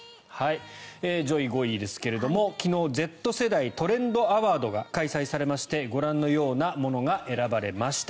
上位５位ですが昨日Ｚ世代トレンドアワードが開催されましてご覧のようなものが選ばれました。